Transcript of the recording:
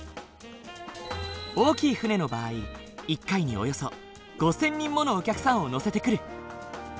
大きい船の場合一回におよそ５，０００人ものお客さんを乗せてくる。